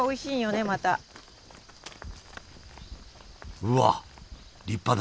うわ立派だ！